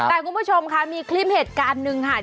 แต่คุณผู้ชมค่ะมีคลิปเหตุการณ์หนึ่งค่ะ